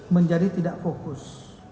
menjadi tidak fokus